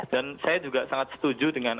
saya juga sangat setuju dengan